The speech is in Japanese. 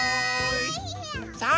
さあ